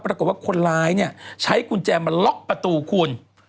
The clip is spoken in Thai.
ปรากฏว่าคนร้ายเนี่ยใช้กุญแจมาล็อกประตูคุณ